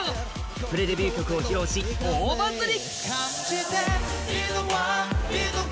プレデビュー曲を披露し、大バズり。